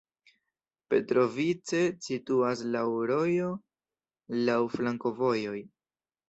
Petrovice situas laŭ rojo, laŭ flankovojoj.